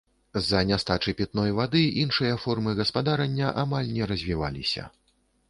З-за нястачы пітной вады іншыя формы гаспадарання амаль не развіваліся.